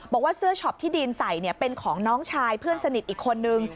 บอกว่าเสื้อช็อปที่ดีนใส่เป็นของน้องชายเพื่อนสนิทอีกคนนึง